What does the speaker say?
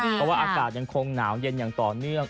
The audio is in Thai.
เพราะว่าอากาศยังคงหนาวเย็นอย่างต่อเนื่อง